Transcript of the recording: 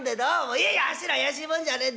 いやいやあっしら怪しいもんじゃねえんです。